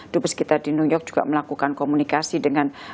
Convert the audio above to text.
dubes kita di new york juga melakukan komunikasi dengan